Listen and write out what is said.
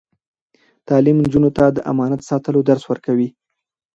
تعلیم نجونو ته د امانت ساتلو درس ورکوي.